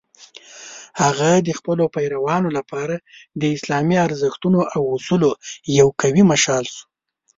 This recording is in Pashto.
هغه د خپلو پیروانو لپاره د اسلامي ارزښتونو او اصولو یو قوي مشال شو.